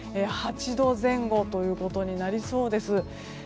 ８度前後ということになりそうです。